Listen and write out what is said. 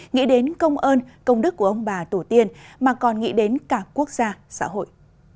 nghĩ đến công ơn công đức của ông bà tổ tiên mà còn nghĩ đến cả quốc gia xã hội